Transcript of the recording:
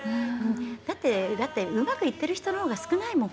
だってうまくいっている人のほうが少ないもん。